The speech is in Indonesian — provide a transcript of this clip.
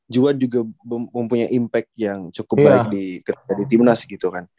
juan juga mempunyai impact yang cukup baik di tim nas gitu kan